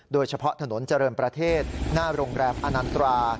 โดยเฉพาะถนนเจริญประเทศหน้าโรงแรมอนันตรา